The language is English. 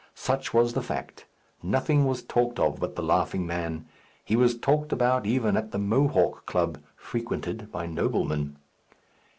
Such was the fact. Nothing was talked of but the Laughing Man. He was talked about even at the Mohawk Club, frequented by noblemen.